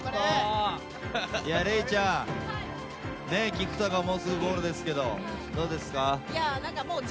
菊田がもうすぐゴールですけどどうですか？